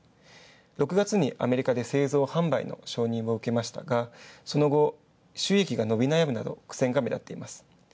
アメリカで製造販売の承認を受けましたが、収益が伸び悩むなど苦戦が目立っています。